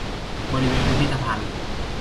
บริเวณพิพิธภัณฑ์